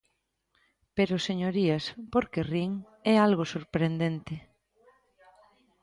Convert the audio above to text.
Pero, señorías, ¿por que rin? É algo sorprendente.